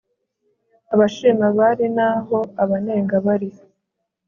abashima bari naho abanenga bari